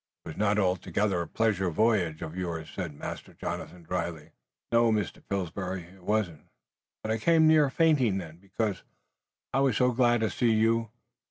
"It was not altogether a pleasure voyage of yours," said Master Jonathan, dryly. "No, Mr. Pillsbury, it wasn't. But I came near fainting then, because I was so glad to see you.